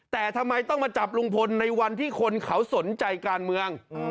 แต่ทำไมต้องมาจับลุงพลในวันที่คนเขาสนใจการเมือง